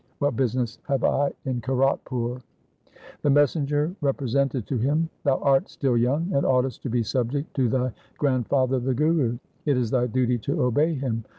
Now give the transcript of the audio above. What business have I in Kiratpur ?' The messenger represented to him, ' Thou art still young, and oughtest to be subject to thy grand father the Guru. It is thy duty to obey him.